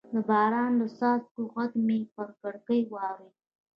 د باران د څاڅکو غږ مې پر کړکۍ واورېد.